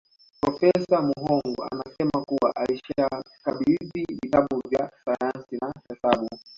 Profesa Muhongo anasema kuwa alishakabidhi vitabu vya Sayansi na Hesabu